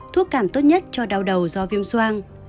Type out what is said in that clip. thuốc cảm tốt nhất cho đau đầu do viêm soang